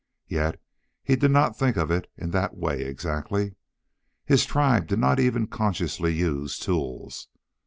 Yet he did not think of it in that way exactly. His tribe did not even consciously use tools.